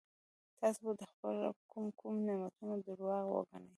تاسو به د خپل رب کوم کوم نعمتونه درواغ وګڼئ.